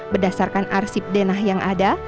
berdasarkan arsip denah yang ada